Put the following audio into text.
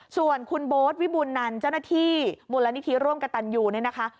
ส่วนคุณโบสค์หวิบุนนันย์เจ้าหน้าที่มูลวันนิทธิโร่งกับตัญญูนะคะ